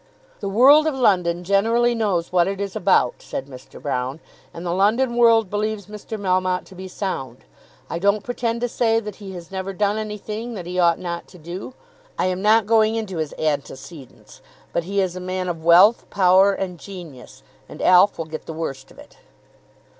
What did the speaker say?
"The world of London generally knows what it is about," said Mr. Broune, "and the London world believes Mr. Melmotte to be sound. I don't pretend to say that he has never done anything that he ought not to do. I am not going into his antecedents. But he is a man of wealth, power, and genius, and Alf will get the worst of it."